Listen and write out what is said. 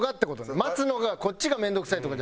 待つのがこっちが面倒くさいとかじゃなくて。